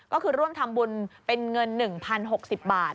ก็คือร่วมทำบุญเป็นเงิน๑๐๖๐บาท